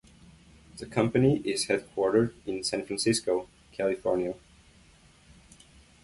The company is headquartered in San Francisco, California.